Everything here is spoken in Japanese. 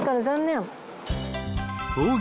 残念。